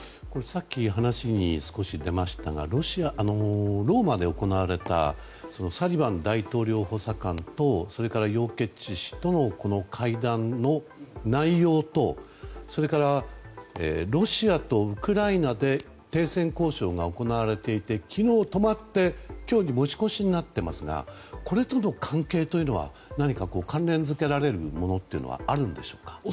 さっき話に少し出ましたがローマで行われたサリバン大統領補佐官とそれからヨウ・ケツチ氏との会談の内容とそれから、ロシアとウクライナで停戦交渉が行われていて昨日、止まって今日に持ち越しになっていますがこれとの関係というのは何か関連付けられるものはあるのでしょうか。